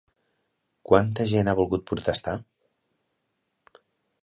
Quanta gent ha volgut protestar?